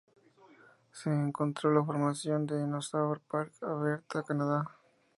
Se encontró en la Formación Dinosaur Park, Alberta, Canadá.